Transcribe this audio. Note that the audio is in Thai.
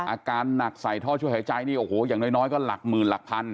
อาการหนักใส่ท่อช่วยหายใจนี่โอ้โหอย่างน้อยก็หลักหมื่นหลักพัน